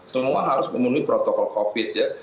semua harus memenuhi protokol covid ya